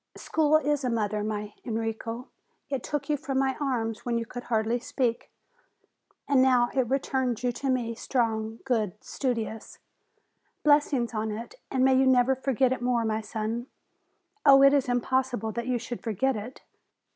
School is a mother, my Enrico. It took you from my arms when you could hardly speak, and now it returns you to me, strong, good, studious ; blessings on it, and may you never forget it more, my son. Oh, it is impos sible that you should forget it